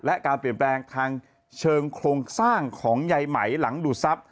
และการเปลี่ยนแปลงทางเชิงโครงสร้างของใยไหมหลังดูดทรัพย